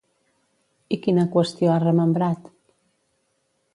I quina qüestió ha remembrat?